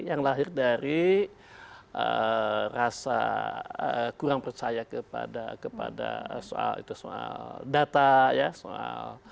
yang lahir dari rasa kurang percaya kepada soal data